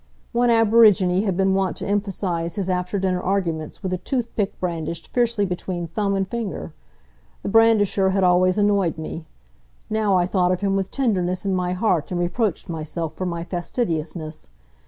One aborigine had been wont to emphasize his after dinner arguments with a toothpick brandished fiercely between thumb and finger. The brandisher had always annoyed me. Now I thought of him with tenderness in my heart and reproached myself for my fastidiousness.